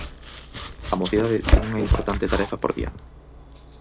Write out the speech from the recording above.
A mocidade ten unha importante tarefa por diante.